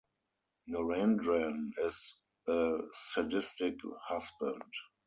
Narendran is a sadistic husband.